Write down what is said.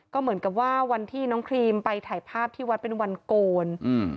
ก็เหมือนกับว่าวันที่น้องครีมไปถ่ายภาพที่วัดเป็นวันโกนอืม